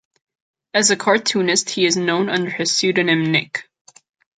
As a cartoonist he is known under his pseudonym Nick.